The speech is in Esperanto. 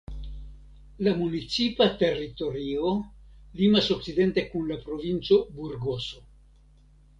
La municipa teritorio limas okcidente kun la provinco Burgoso.